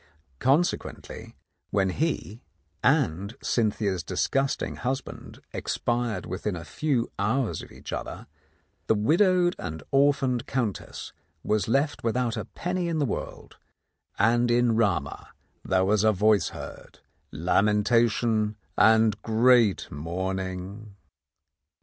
Consequently, when he and Cynthia's disgusting husband expired within a few hours of each other, the widowed and orphaned Countess was left with out a penny in the world, and in Rama was there a voice heard, lamentation and great mourning